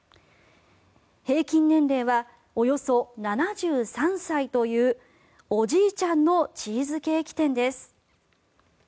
平均年齢はおよそ７３歳というおじいちゃんのチーズケーキ店です。